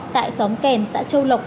tại xóm kèn xã châu lộc